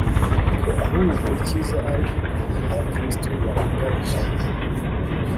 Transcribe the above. ko ahubwo icyiza ari uko abakristu barenga ijana